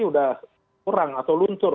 sudah kurang atau luntur